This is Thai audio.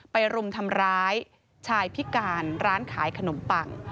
รุมทำร้ายชายพิการร้านขายขนมปัง